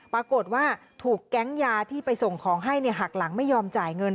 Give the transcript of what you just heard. ปรากฏว่าถูกแก๊งยาที่ไปส่งของให้หักหลังไม่ยอมจ่ายเงิน